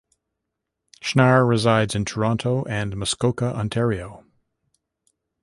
Schnarre resides in Toronto and Muskoka, Ontario.